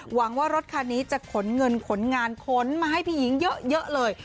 หวังว่ารถคันนี้จะขนเงินขนงานขนมาให้พี่หญิงเยอะเลย